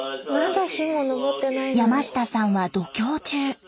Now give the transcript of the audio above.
山下さんは読経中。